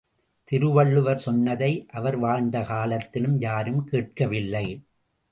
திருவள்ளுவர் சொன்னதை அவர் வாழ்ந்த காலத்திலும் யாரும் கேட்கவில்லை!